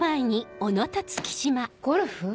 ゴルフ？